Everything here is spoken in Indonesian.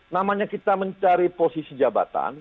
namanya kita mencari posisi jabatan